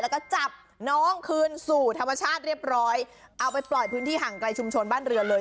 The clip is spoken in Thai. แล้วก็จับน้องคืนสู่ธรรมชาติเรียบร้อยเอาไปปล่อยพื้นที่ห่างไกลชุมชนบ้านเรือนเลย